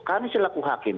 kami selaku hakim